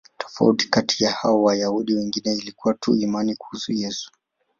Tofauti kati yao na Wayahudi wengine ilikuwa tu imani kuhusu Yesu.